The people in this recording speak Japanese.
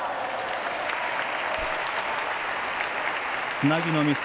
つなぎのミス。